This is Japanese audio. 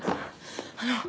あの！